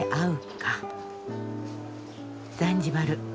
ザンジバル